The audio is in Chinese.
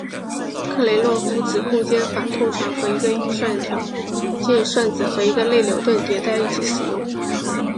克雷洛夫子空间法通常和一个预条件算子和一个内牛顿迭代一起使用。